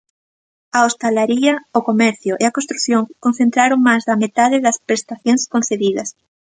A hostalería, o comercio e a construción concentraron máis da metade das prestacións concedidas.